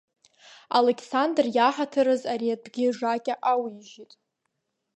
Алықьсандыр иаҳаҭыр азы, ари атәгьы ижакьа ауижьит.